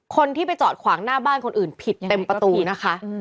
คนที่ไปจอดขวางหน้าบ้านคนอื่นผิดเต็มประตูนะคะ